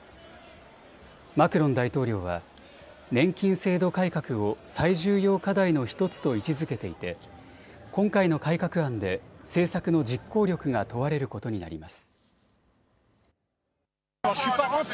マクロン大統領は年金制度改革を最重要課題の１つと位置づけていて今回の改革案で政策の実行力が問われることになります。